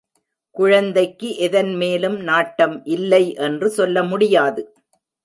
குழந்தைக்கு எதன் மேலும் நாட்டம் இல்லை என்று சொல்ல முடியாது.